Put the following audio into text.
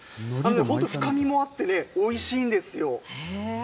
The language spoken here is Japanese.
本当、深みもあってね、おいしいんですよ。